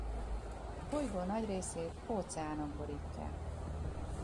A bolygó nagy részét óceánok borítják.